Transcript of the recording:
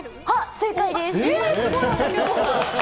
正解です。